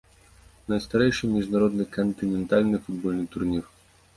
Найстарэйшы міжнародны кантынентальны футбольны турнір.